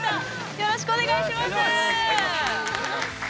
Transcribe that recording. よろしくお願いします。